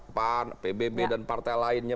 pan pbb dan partai lainnya